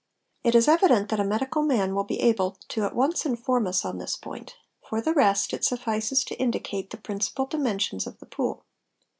It is evident that a medical man will be able to at once inform us on this point ; for the rest, it suffices to indicate the principal dimensions of the pool.